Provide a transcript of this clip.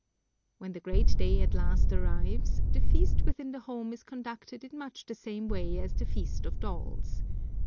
When the great day at last arrives, the feast within the home is conducted in much the same way as the Feast of Dolls.